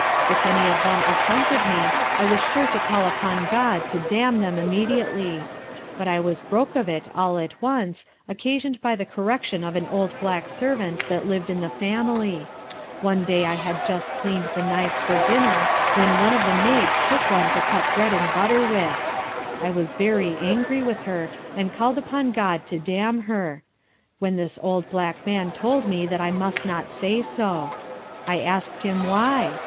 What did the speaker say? If any of them affronted me, I was sure to call upon God to damn them immediately; but I was broke of it all at once, occasioned by the correction of an old black servant that liv'd in the family One day I had just clean'd the knives for dinner, when one of the maids took one to cut bread and butter with; I was very angry with her, and called upon God to damn her; when this old black man told me I must not say so. I ask'd him why?